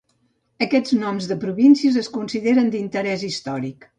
Aquests noms de províncies es consideren d'interés històric.